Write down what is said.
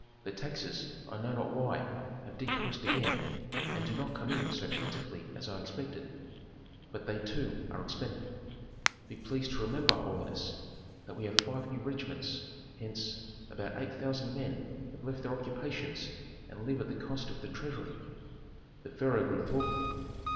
"The taxes, I know not why, have decreased again, and do not come in so plentifully as I expected. But they too are expended. Be pleased to remember, holiness, that we have five new regiments; hence, about eight thousand men have left their occupations and live at the cost of the treasury." The pharaoh grew thoughtful.